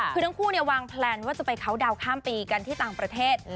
คือทั้งคู่วางแพลนว่าจะไปเคาน์ดาวนข้ามปีกันที่ต่างประเทศ